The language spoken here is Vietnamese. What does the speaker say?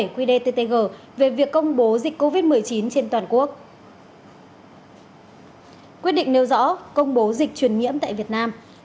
quyết định nêu rõ công bố dịch truyền nhiễm tại việt nam